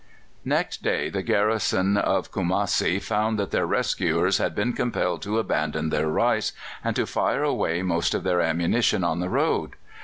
Next day the garrison of Kumassi found that their rescuers had been compelled to abandon their rice, and to fire away most of their ammunition on the road.